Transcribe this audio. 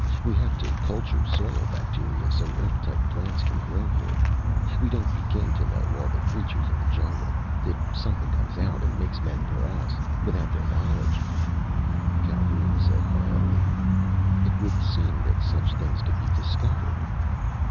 We have to culture soil bacteria so Earth type plants can grow here! We don't begin to know all the creatures of the jungle! If something comes out and makes men paras without their knowledge " Calhoun said mildly: "It would seem that such things could be discovered."